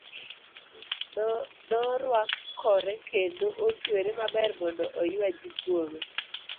Noruakore kendo otwere maber mondo oyua ji kuome.